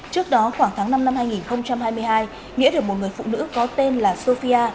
trước đó khoảng tháng năm năm hai nghìn hai mươi hai nghĩa được một người phụ nữ có tên là sofia